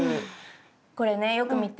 これねよく見て。